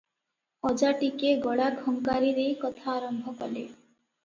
ଅଜା ଟିକିଏ ଗଳା ଖଙ୍କାରି ଦେଇ କଥା ଆରମ୍ଭ କଲେ